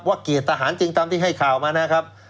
ว่าเกียรติตาหารจริงตามที่ให้ข่าวมานะครับ